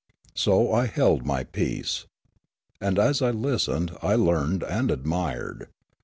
So I held my peace. And as I listened, I learned and admired.